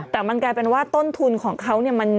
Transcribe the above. แต่มันกลายเป็นว่าต้นทุนของเขาเนี่ย